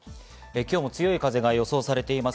今日も強い風が予想されています。